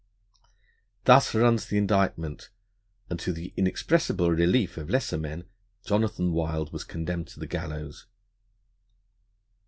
Thus runs the indictment, and, to the inexpressible relief of lesser men, Jonathan Wild was condemned to the gallows.